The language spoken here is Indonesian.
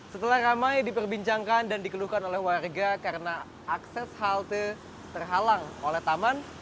setelah ramai diperbincangkan dan dikeluhkan oleh warga karena akses halte terhalang oleh taman